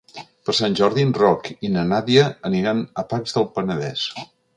Per Sant Jordi en Roc i na Nàdia aniran a Pacs del Penedès.